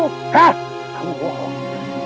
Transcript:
hah kamu bohong